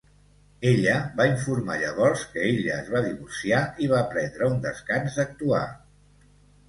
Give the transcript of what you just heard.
Ella va informar llavors que ella es va divorciar i va prendre un descans d'actuar.